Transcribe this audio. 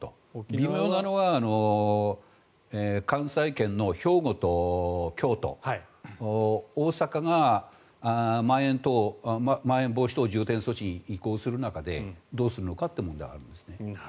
微妙なのは関西圏の兵庫と京都大阪がまん延防止等重点措置に移行する中でどうするのかという問題はありますね。